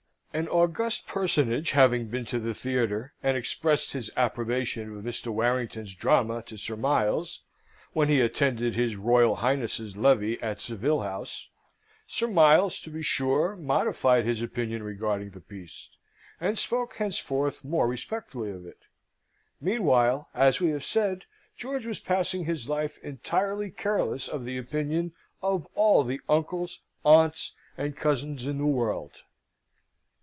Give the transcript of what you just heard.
An august personage having been to the theatre, and expressed his approbation of Mr. Warrington's drama to Sir Miles, when he attended his R y l H ghn ss's levee at Saville House, Sir Miles, to be sure, modified his opinion regarding the piece, and spoke henceforth more respectfully of it. Meanwhile, as we have said, George was passing his life entirely careless of the opinion of all the uncles, aunts, and cousins in the world.